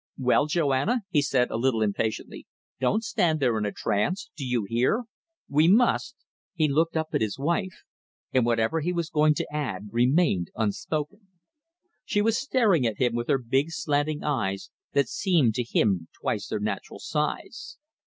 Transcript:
"Well, Joanna," he said, a little impatiently "don't stand there in a trance. Do you hear? We must. ..." He looked up at his wife, and whatever he was going to add remained unspoken. She was staring at him with her big, slanting eyes, that seemed to him twice their natural size.